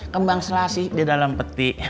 kembang selasi di dalam peti